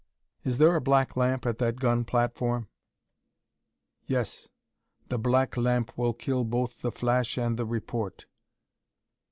"Is there a black lamp at that gun platform?" "Yes. The black lamp will kill both the flash and the report."